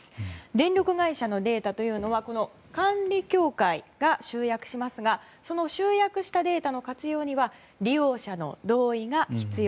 電力会社のデータというのは管理協会が集約しますがその集約したデータの活用には利用者の同意が必要。